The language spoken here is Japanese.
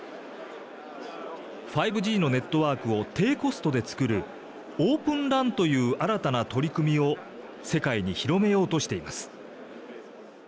５Ｇのネットワークを低コストで作るオープンＲＡＮという新たな取り組みを世界に広めようとしています。